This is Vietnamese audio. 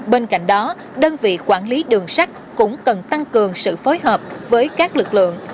bên cạnh đó đơn vị quản lý đường sắt cũng cần tăng cường sự phối hợp với các lực lượng